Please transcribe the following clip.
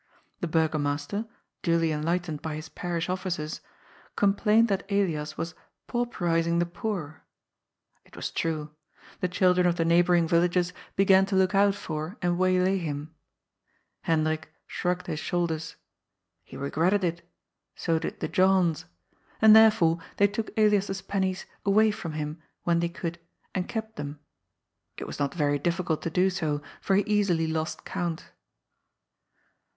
The burgomaster, duly enlightened by his parish officers, complained that Elias was " paiiperizing the poor." It was true. The children of the neighbouring villages be A PRINCE AMONG PAUPER& 209 gan to look out for and waylay him. Hendrik shrngged his shoulders. He regretted it. So did the Johns. And therefore they took Elias's pennies away from him, when they could, and kept them. It was not yery dif&cult to do so, for he easily lost count.